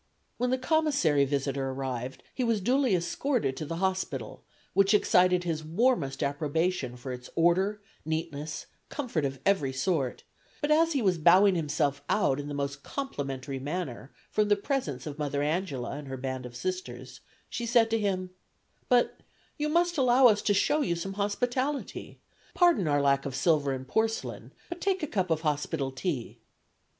When the Commissary visitor arrived he was duly escorted to the hospital, which excited his warmest approbation for its order, neatness, comfort of every sort; but as he was bowing himself out in the most complimentary manner from the presence of Mother Angela and her band of Sisters, she said to him: "But, Mr. , you must allow us to show you some hospitality. Pardon our lack of silver and porcelain, but take a cup of hospital tea!"